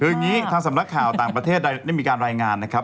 คืออย่างนี้ทางสำนักข่าวต่างประเทศได้มีการรายงานนะครับ